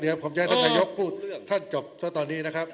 เดี๋ยวขอให้ท่านนายกพูดเนี่ยเท่าตอนแบบนี้นะครับ